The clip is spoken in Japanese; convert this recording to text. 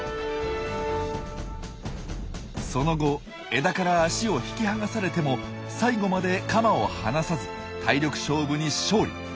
その後枝から脚を引き剥がされても最後までカマを離さず体力勝負に勝利。